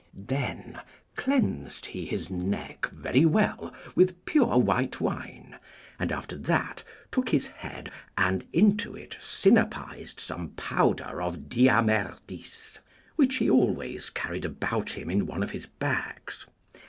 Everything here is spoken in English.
Then cleansed he his neck very well with pure white wine, and, after that, took his head, and into it synapised some powder of diamerdis, which he always carried about him in one of his bags.